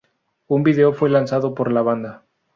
Un video fue lanzado por la banda.